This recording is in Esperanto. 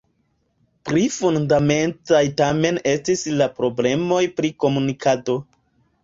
Pli fundamentaj tamen estis la problemoj pri komunikado.